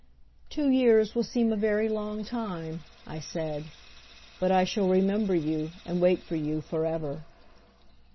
"Two years will seem a very long time," I said, "but I shall remember you and wait for you for ever."